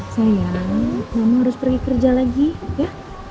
sayang mama harus pergi kerja lagi ya